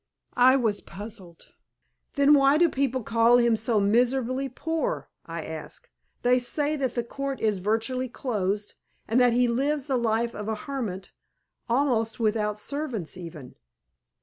I was puzzled. "Then why do people call him so miserably poor?" I asked. "They say that the Court is virtually closed, and that he lives the life of a hermit, almost without servants even."